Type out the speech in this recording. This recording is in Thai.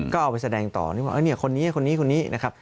ก็เอาไปแสดงต่อนี่คนนี้คนนี้คนนี้นะครับ